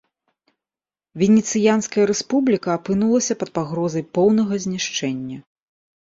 Венецыянская рэспубліка апынулася пад пагрозай поўнага знішчэння.